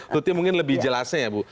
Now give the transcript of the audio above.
tuti mungkin lebih jelasnya ya bu